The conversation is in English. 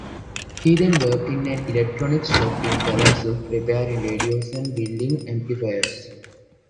He then worked in an electronics shop in Kalamazoo, repairing radios and building amplifiers.